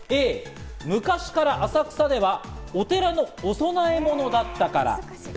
Ａ、昔から浅草ではお寺のお供え物だったから。